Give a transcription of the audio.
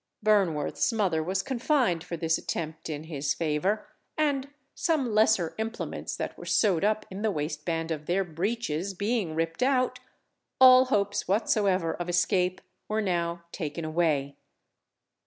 Burnworth's mother was confined for this attempt in his favour, and some lesser implements that were sewed up in the waistband of their breeches being ripped out, all hopes whatsoever of escape were now taken away.